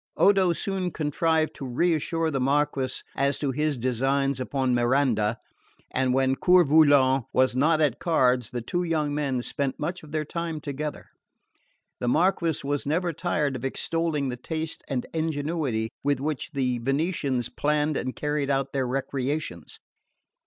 Odo soon contrived to reassure the Marquess as to his designs upon Miranda, and when Coeur Volant was not at cards the two young men spent much of their time together. The Marquess was never tired of extolling the taste and ingenuity with which the Venetians planned and carried out their recreations.